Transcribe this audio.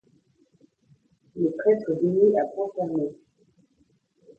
Le prêtre bénit à poing fermé.